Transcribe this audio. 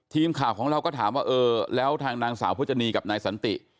ทีมข่าวของเราก็ถามว่าเออแล้วทางนางสาวพจนีกับนายสันติ